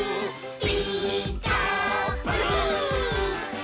「ピーカーブ！」